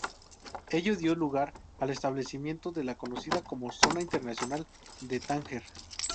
Ello dio lugar al establecimiento de la conocida como Zona Internacional de Tánger.